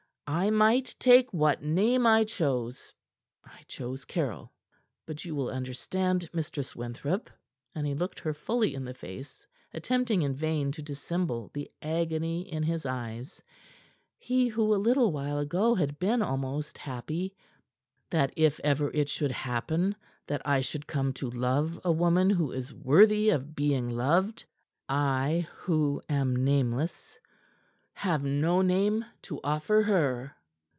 I might take what name I chose. I chose Caryll. But you will understand, Mistress Winthrop," and he looked her fully in the face, attempting in vain to dissemble the agony in his eyes he who a little while ago had been almost happy "that if ever it should happen that I should come to love a woman who is worthy of being loved, I who am nameless have no name to offer her."